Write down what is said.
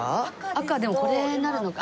赤はでもこれになるのか。